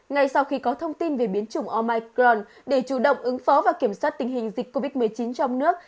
ngay sau khi có thông tin về biến chủng omicron để chủ động ứng phó và kiểm soát tình hình dịch covid một mươi chín trong nước